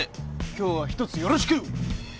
今日は一つよろしく！